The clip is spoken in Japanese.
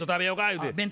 言うて。